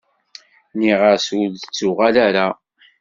Nniɣ-as ur d-ttuɣal ara.